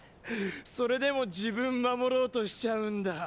それでも自分守ろうとしちゃうんだ？